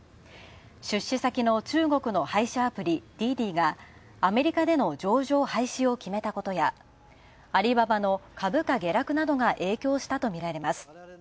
出資先の中国の配車アプリ、ＤｉＤｉがアメリカでの上場廃止を決めたことや、アリババの株価下落などが影響したとみられます。